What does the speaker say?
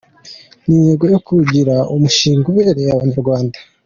Ni intego yo kuwugira umushinga ubereye Abanyarwanda.